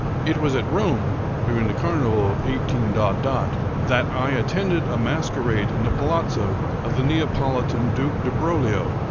It was at Rome, during the Carnival of 18—, that I attended a masquerade in the palazzo of the Neapolitan Duke Di Broglio.